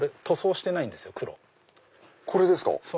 これですか！